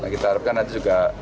kita harapkan nanti juga